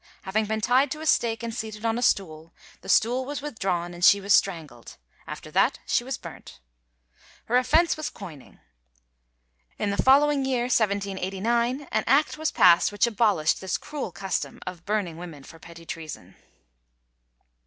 Having been tied to a stake and seated on a stool, the stool was withdrawn and she was strangled. After that she was burnt. Her offence was coining. In the following year, 1789, an act was passed which abolished this cruel custom of burning women for petty treason.